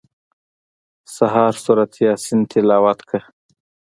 سهار سورت یاسین تلاوت کړه.